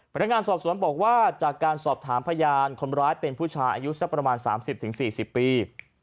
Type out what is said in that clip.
พนักงานสอบสวนบอกว่าจากการสอบถามพยานคนร้ายเป็นผู้ชายอายุสักประมาณ๓๐๔๐ปี